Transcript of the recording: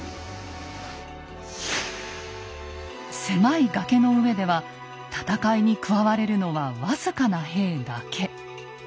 狭い崖の上では戦いに加われるのは僅かな兵だけ。